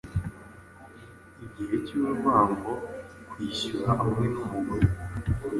Igice cyurwango kwishyura hamwe numugore